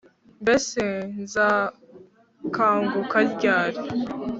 mbese nzakanguka ryari